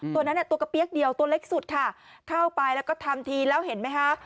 ตัวนั้นตัวกระเปี๊ยกเดียวตัวเล็กสุดค่ะเข้าไปแล้วก็ทำทีแล้วเห็นไหมคะ